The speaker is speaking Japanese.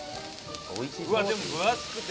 うわっでも分厚くて。